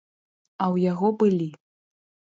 А ў яго былі.